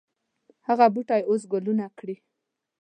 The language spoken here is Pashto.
هغه بوټی اوس ګلونه کړي